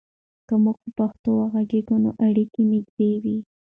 که موږ په پښتو وغږیږو، نو اړیکې نږدې وي.